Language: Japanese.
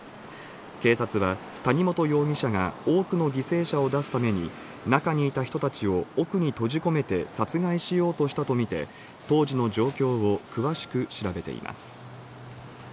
警察は谷本容疑者が多くの犠牲者を出すために中にいた人たちを奥に閉じ込めて殺害しようとしたとみて当時の状況を詳しく調べています。